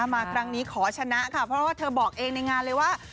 มาครั้งนี้ขอชนะค่ะเพราะว่าเธอบอกเองในงานเลยว่า